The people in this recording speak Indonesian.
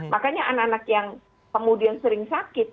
makanya anak anak yang kemudian sering sakit